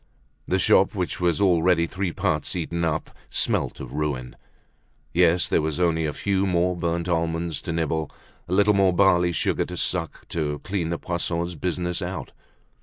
The shop, which was already three parts eaten up, smelt of ruin. Yes, there were only a few more burnt almonds to nibble, a little more barley sugar to suck, to clean the Poissons' business out.